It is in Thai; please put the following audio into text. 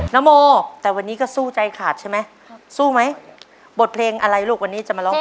นโมแต่วันนี้ก็สู้ใจขาดใช่ไหมสู้ไหมบทเพลงอะไรลูกวันนี้จะมาร้องเพลง